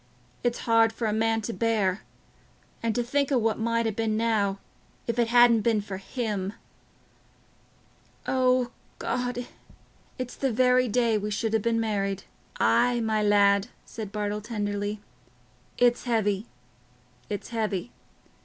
it's hard for a man to bear... and to think o' what might ha' been now, if it hadn't been for him.... O God, it's the very day we should ha' been married." "Aye, my lad," said Bartle tenderly, "it's heavy—it's heavy.